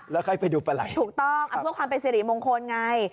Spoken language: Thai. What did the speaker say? แล้วใครไปดูปลาไหล่ถูกต้องเพื่อความเป็นสิริมงคลไง